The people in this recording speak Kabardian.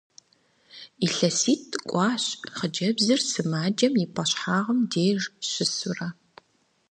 ИлъэситӀ кӀуащ хъыджэбзыр сымаджэм и пӀэщхьагъым деж щысурэ.